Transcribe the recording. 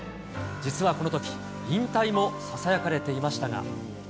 実はこのとき、引退もささやかれていましたが。